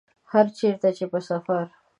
چیرته چي په سفر